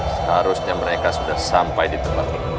seharusnya mereka sudah sampai di tempat ini